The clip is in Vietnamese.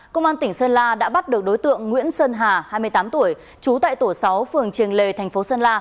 công an tỉnh sơn la đã bắt được đối tượng nguyễn sơn hà hai mươi tám tuổi trú tại tổ sáu phường triềng lề thành phố sơn la